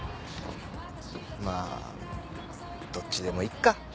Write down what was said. まあどっちでもいいか！